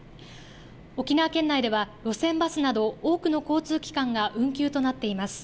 沖縄県内では路線バスなど多くの交通機関が運休となっています。